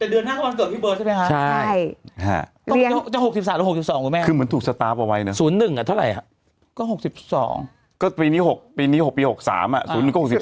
เดือน๕วันเกิดพี่เบิร์ดใช่ไหมครับ